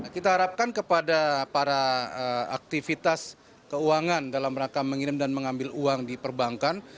kita harapkan kepada para aktivitas keuangan dalam rangka mengirim dan mengambil uang di perbankan